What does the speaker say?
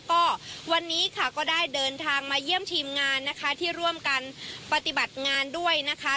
ก็วันนี้ค่ะก็ได้เดินทางมาเยี่ยมทีมงานนะคะที่ร่วมกันปฏิบัติงานด้วยนะคะ